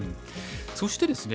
そしてですね